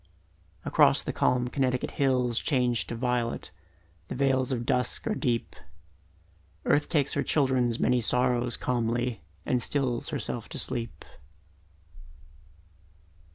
... Across the calm Connecticut the hills change To violet, the veils of dusk are deep Earth takes her children's many sorrows calmly And stills herself to sleep.